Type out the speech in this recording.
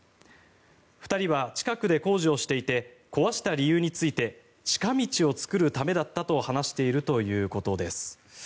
２人は近くで工事をしていて壊した理由について近道を作るためだったと話しているということです。